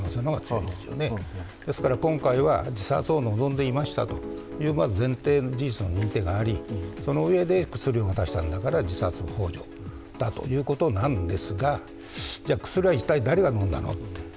今回は自殺を望んでいましたという事実の認定がありそのうえで薬を渡したんだから自殺のほう助だということなんですが、じゃ、薬は一体誰が飲んだの？